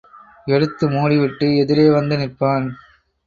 எடுத்து மூடிவிட்டு எதிரே வந்து நிற்பான்.